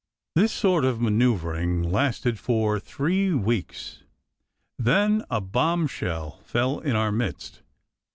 This sort of manoeuvring lasted for three weeks ; then a bombshell fell in our midst.